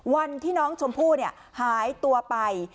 วันที่น้องชมพู่หายตัวไป